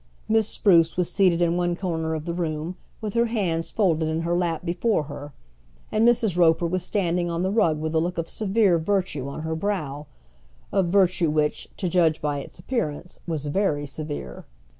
Miss Spruce was seated in one corner of the room, with her hands folded in her lap before her, and Mrs. Roper was standing on the rug with a look of severe virtue on her brow, of virtue which, to judge by its appearance, was very severe.